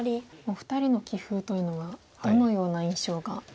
お二人の棋風というのはどのような印象がありますか？